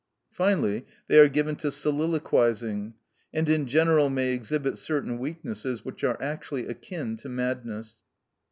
Finally, they are given to soliloquising, and in general may exhibit certain weaknesses which are actually akin to madness.